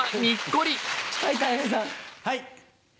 はい。